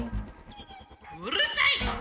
うるさい！